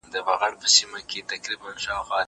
زه هره ورځ ليکنه کوم؟